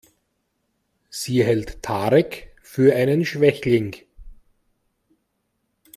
Sie hält Tarek für einen Schwächling.